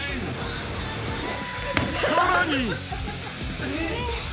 ［さらに］